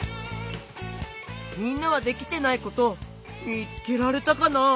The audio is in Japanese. みんなはできてないことみつけられたかな？